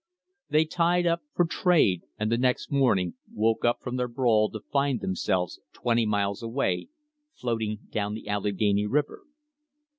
They tied up for trade, and the next morning woke up from their brawl to find themselves twenty miles away, float ing down the Allegheny River.